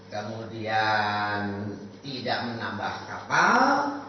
kemudian tidak menambah kapal